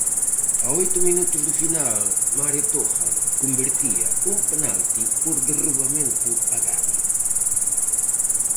A oito minutos do final, Mario Toja convertía un penalti por derrubamento a Gabi.